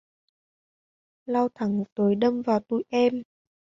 lao thẳng tới đâm vào tụi em